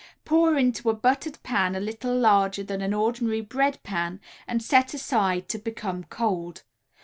Pour into a buttered pan a little larger than an ordinary bread pan and set aside to become cold.